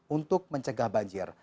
untuk mencegah banjir